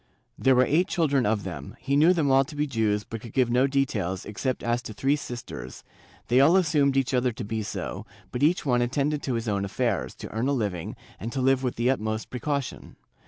There were eight children of them; he knew them all to be Jews but could give no details, except as to three sisters : they all assumed each other to be so, but each one attended to his own affairs, to earn a living, and to live with the utmost precaution.